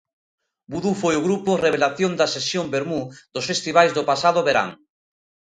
Vudú foi o grupo revelación da sesión vermú dos festivais do pasado verán.